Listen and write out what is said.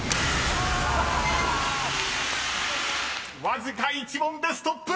［わずか１問でストップ！］